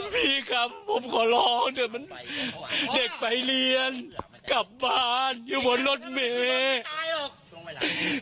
พี่ครับผมขอร้องเด็กไปเรียนกลับบ้านอยู่บนรถเมฆ